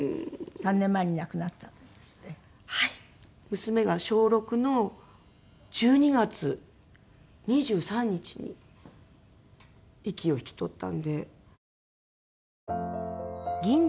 娘が小６の１２月２３日に息を引き取ったので。